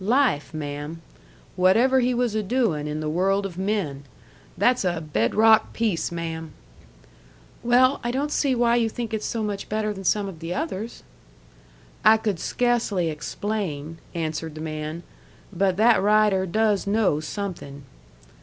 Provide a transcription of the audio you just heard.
"Life, ma'am. Whatever he was a doin' in the world of men. That's a bed rock piece, ma'am!" "Well, I don't see why you think it's so much better than some of the others." "I could sca'cely explain," answered the man. "But that writer does know something."